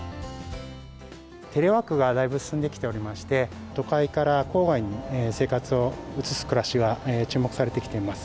テレワークがだいぶ進んできておりまして、都会から郊外に生活を移す暮らしが注目されてきています。